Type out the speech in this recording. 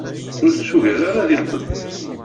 Ur t-tugar ara di lqedd.